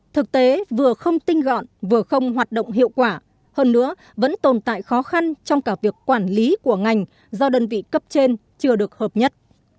thực tế vừa không tinh gọn vừa không hoạt động hiệu quả hơn nữa vẫn tồn tại khó khăn trong cả việc quản lý của ngành do đơn vị cấp trên chưa được hợp nhất